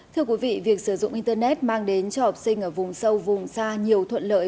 thưa quý vị việc sử dụng internet mang đến cho học sinh ở vùng sâu vùng xa nhiều thuận lợi